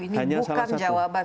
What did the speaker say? ini bukan jawaban